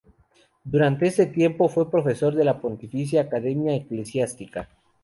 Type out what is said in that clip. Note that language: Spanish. Durante este tiempo, fue profesor de la Pontificia Academia Eclesiástica.